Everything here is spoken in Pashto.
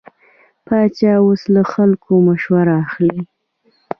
پاچا اوس له خلکو مشوره اخلي.